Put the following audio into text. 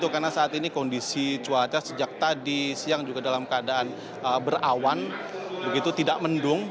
karena saat ini kondisi cuaca sejak tadi siang juga dalam keadaan berawan begitu tidak mendung